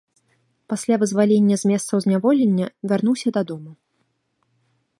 Пасля вызвалення з месцаў зняволення вярнуўся дадому.